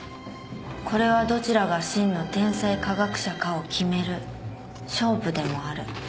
「これはどちらが真の天才科学者かを決める勝負でもある」